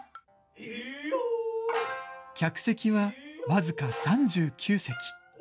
客席は僅か３９席。